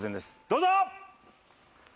どうぞ！